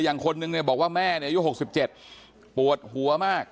ได้ทางคนนึงมึงบอกว่าแม่นะอายุหกสิบเจ็ดปวดหัวมาก